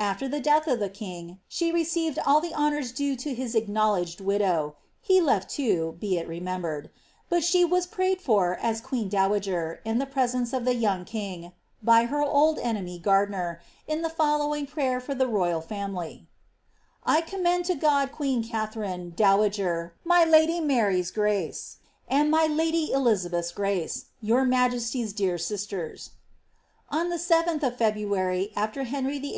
After the death of the king, she received all the honours due to his acknow ledged widow — he left two, be it remembered ; but she was prayed for, •■ queen dowager, in the presence of the young king, by her old enemy, Gardiner, in the following prayer for the royal family ;—^^ 1 commend to God queen Katharine, dowager,' my lady Mary^s grace, and my lady Elizabeth's grace, your majesty's dear sisters." On the 7th of Febru ary, after Henry VIll.'